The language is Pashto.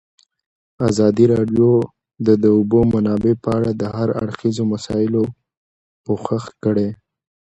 ازادي راډیو د د اوبو منابع په اړه د هر اړخیزو مسایلو پوښښ کړی.